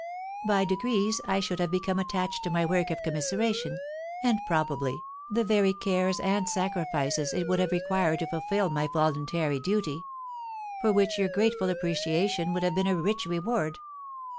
By degrees I should have become attached to my work of commiseration, and, probably, the very cares and sacrifices it would have required to fulfil my voluntary duty; for which your grateful appreciation would have been a rich reward.